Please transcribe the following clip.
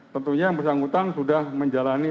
tentunya yang bersangkutan sudah menjalani